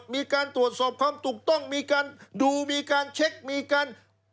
มีการตรวจสอบความถูกต้องมีการดูมีการเช็คมีการ